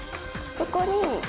ここに。